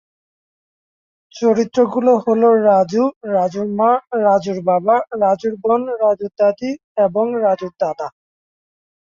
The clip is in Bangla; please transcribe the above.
চরিত্রগুলো হল, রাজু, রাজুর মা, রাজুর বাবা, রাজুর বোন, রাজুর দাদী এবং রাজুর দাদা।